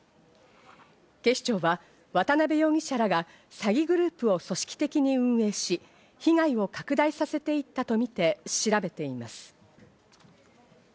警視庁は渡辺容疑者らが詐欺グループを組織的に運営し、被害を拡大させていったとみて調べています。